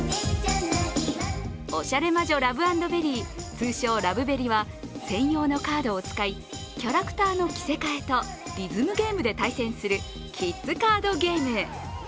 通称「ラブベリ」は専用のカードを使い、キャラクターの着せ替えとリズムゲームで対戦するキッズカードゲーム。